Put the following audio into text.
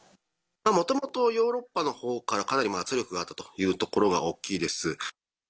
もともとヨーロッパのほうから、かなり圧力があったというところが大きいです。